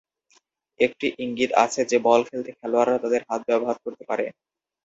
একটি ইঙ্গিত আছে যে বল খেলতে খেলোয়াড়রা তাদের হাত ব্যবহার করতে পারে।